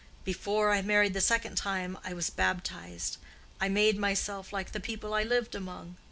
Before I married the second time I was baptized; I made myself like the people I lived among.